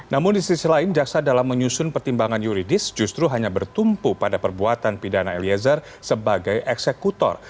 namun di sisi lain jaksa dalam menyusun pertimbangan yuridis justru hanya bertumpu pada perbuatan pidana eliezer sebagai eksekutor